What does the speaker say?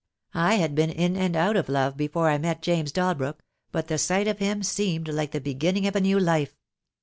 I had been in and out of love before I met James Dal brook, but the sight of him seemed like the beginning of a new life.